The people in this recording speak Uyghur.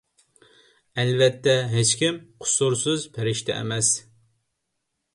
ئەلۋەتتە، ھېچكىم قۇسۇرسىز پەرىشتە ئەمەس.